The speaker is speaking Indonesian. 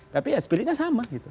tapi ya spiritnya sama gitu